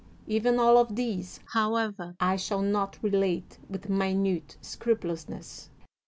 Even all of these, however, I shall not relate with minute scrupulousness.